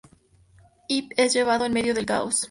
Ip es llevado en medio del caos.